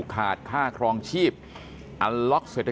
การสอบส่วนแล้วนะ